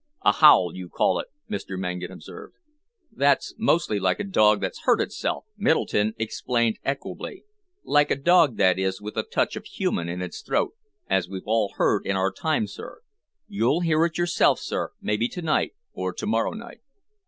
"A howl, you call it?" Mr. Mangan observed. "That's mostly like a dog that's hurt itself," Middleton explained equably, "like a dog, that is, with a touch of human in its throat, as we've all heard in our time, sir. You'll hear it yourself, sir, maybe to night or to morrow night."